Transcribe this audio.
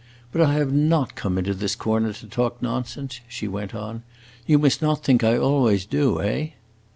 But I have not come into this corner to talk nonsense," she went on. "You must not think I always do, eh?"